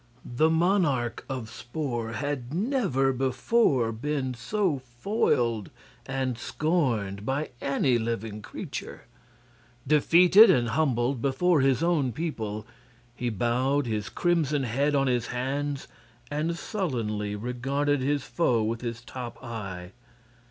The monarch of Spor had never before been so foiled and scorned by any living creature. Defeated and humbled before his own people, he bowed his crimson head on his hands and sullenly regarded his foe with his top eye.